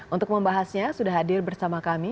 untuk membahasnya sudah hadir bersama kami